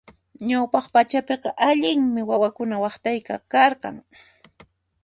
Ñawpaq pachapiqa allinmi wawakuna waqtayqa karqan.